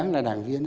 đáng là đảng viên